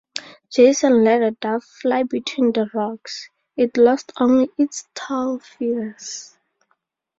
Jason let a dove fly between the rocks; it lost only its tail feathers.